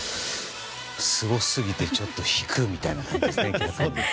すごすぎて、ちょっと引くみたいな感じですね。